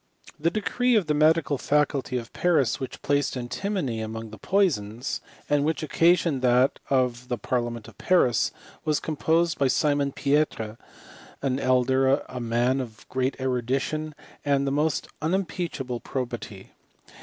The decree of the medical faculty of Paris which placed antimony among the poisons, and which occa sioned that of the Parliament 'of Paris, was composed by Simon Pietre, the elder, a man of great erudition and the most unimpeachable probity.